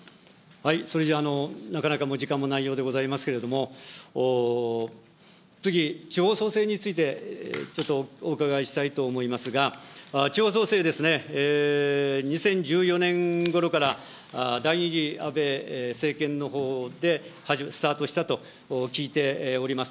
それじゃあ、なかなかもう、時間もないようでございますけれども、次、地方創生についてちょっとお伺いしたいと思いますが、地方創生ですね、２０１４年ごろから第２次安倍政権のほうでスタートしたと聞いております。